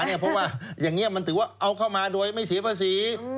เพราะว่าอย่างนี้มันถือว่าเอาเข้ามาโดยไม่เสียภาษี